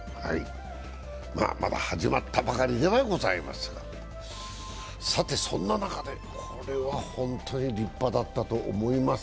まだ始まったばかりではございますが、さて、そんな中、これは本当に立派だったと思います。